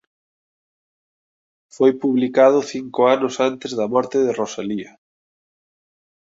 Foi publicado cinco anos antes da morte de Rosalía.